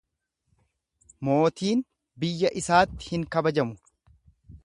Mootiin biyya isaatti hin kabajamu.